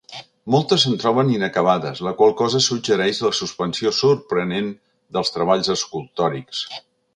Moltes se'n troben inacabades, la qual cosa suggereix la suspensió sorprenent dels treballs escultòrics.